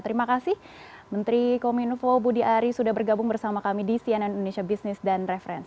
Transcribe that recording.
terima kasih menteri kominfo budi ari sudah bergabung bersama kami di cnn indonesia business dan referensi